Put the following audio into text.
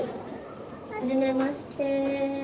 はじめまして。